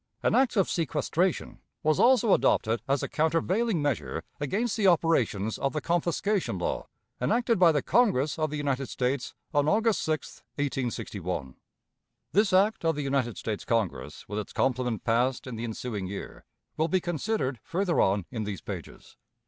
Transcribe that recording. An act of sequestration was also adopted as a countervailing measure against the operations of the confiscation law enacted by the Congress of the United States on August 6, 1861. This act of the United States Congress, with its complement passed in the ensuing year, will be considered further on in these pages.